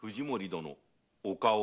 殿お顔を。